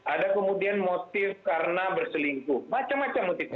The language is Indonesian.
ada kemudian motif karena berselingkuh macam macam motif